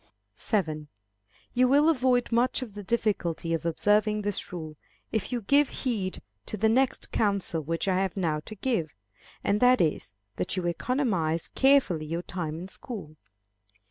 7. You will avoid much of the difficulty of observing this rule, if you give heed to the next counsel which I have now to give, and that is, that you economize carefully your time in school.